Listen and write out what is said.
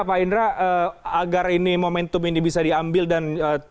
pak indra agar ini momentum ini bisa diambil dan